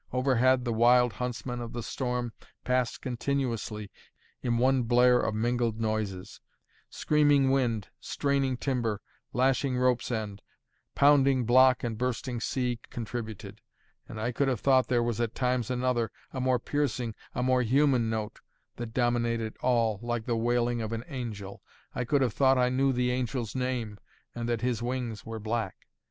Overhead, the wild huntsman of the storm passed continuously in one blare of mingled noises; screaming wind, straining timber, lashing rope's end, pounding block and bursting sea contributed; and I could have thought there was at times another, a more piercing, a more human note, that dominated all, like the wailing of an angel; I could have thought I knew the angel's name, and that his wings were black.